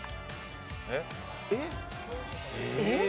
えっ？